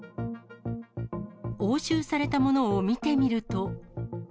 押収されたものを見てみると。